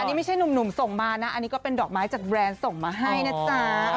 นี่ไม่ใช่หนุ่มส่งมานะอันนี้ก็เป็นดอกไม้จากแบรนด์ส่งมาให้นะจ๊ะ